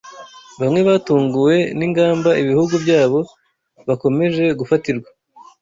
Bamwe batunguwe ni ingamba ibihugu byabo bakomeje gufatirwa